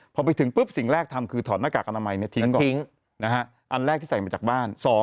พอไปถึงปุ๊บสิ่งแรกทำคือถอดหน้ากากอนามัยทิ้งก่อนทิ้งอันแรกที่ใส่มาจากบ้าน